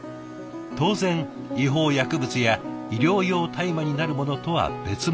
当然違法薬物や医療用大麻になるものとは別物です。